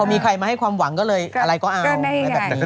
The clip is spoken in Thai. พอมีใครมาให้ความหวังก็อะไรก็เอา